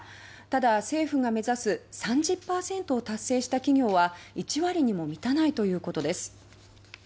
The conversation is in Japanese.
ただ、政府が目指す３０％を達成した企業は１割にも満たないということです。